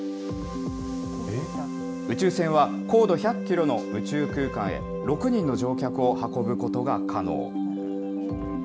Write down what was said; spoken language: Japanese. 宇宙船は高度１００キロの宇宙空間へ、６人の乗客を運ぶことが可能。